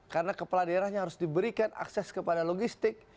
karena kepala daerahnya harus diberikan akses kepada logistik